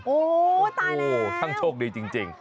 โอ้โหตายแล้วโอ้โหทั้งโชคดีจริง